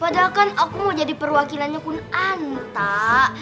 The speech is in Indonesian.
padahal kan aku mau jadi perwakilannya kun'an tak